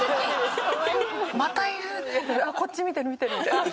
あっこっち見てる見てるみたいな。